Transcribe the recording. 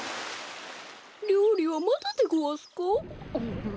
りょうりはまだでごわすか？